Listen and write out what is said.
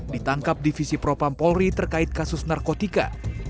ditangkap divisi propampolri terkait kasus narkotika